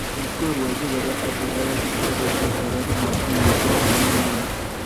Matkorwochi Kora abiriaek garisiek korat moshinishek komi banda